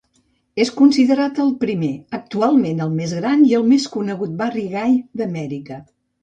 És considerat el primer, actualment el més gran, i el més conegut barri gai d'Amèrica.